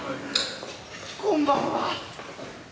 こんばんは。